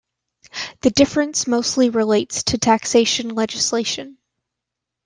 The difference mostly relates to taxation legislation.